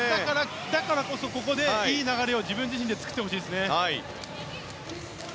だからこそ、ここでいい流れを自分自身で作ってほしいです。